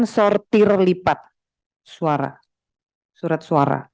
dan sortir lipat surat suara